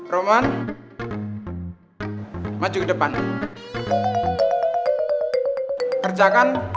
tarian pas juan